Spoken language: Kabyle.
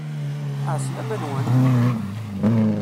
Ɛeslama-nwen!